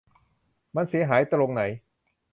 มันเสียหายตรงไหน ?